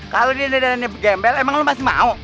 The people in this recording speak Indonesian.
kalau dia dan gembel emang lo masih mau